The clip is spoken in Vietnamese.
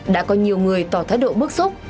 đã có nhiều người tỏ thái độ bức xúc